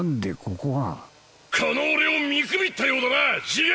この俺を見くびったようだな次元！